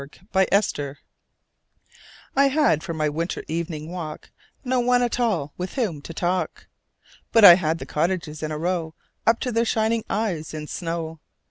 Good Hours I HAD for my winter evening walk No one at all with whom to talk, But I had the cottages in a row Up to their shining eyes in snow.